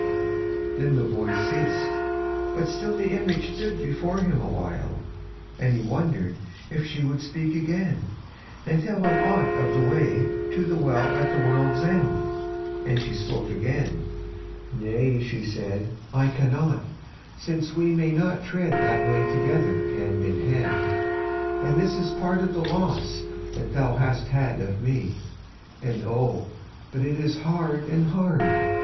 Then the voice ceased, but still the image stood before him awhile, and he wondered if she would speak again, and tell him aught of the way to the Well at the World's End; and she spake again: "Nay," she said, "I cannot, since we may not tread the way together hand in hand; and this is part of the loss that thou hast had of me; and oh! but it is hard and hard."